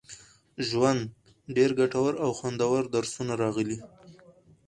ژوند، ډېر ګټور او خوندور درسونه راغلي